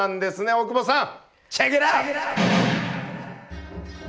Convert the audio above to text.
大久保さん！